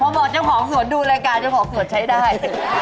พอบอกเจ้าของสวนดูรายการเจ้าของสวนใช้ได้